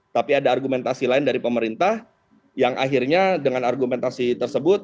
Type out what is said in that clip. tapi ada argumentasi lain dari pemerintah yang akhirnya dengan argumentasi tersebut